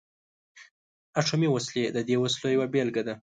اتمي وسلې د دې وسلو یوه بیلګه ده.